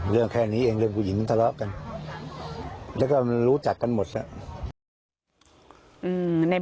เรื่องแค่นี้เองเรื่องกูหญิงทะเลาะกัน